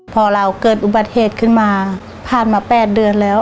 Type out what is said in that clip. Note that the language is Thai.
พอเราเกิดอุบัติเหตุขึ้นมาผ่านมา๘เดือนแล้ว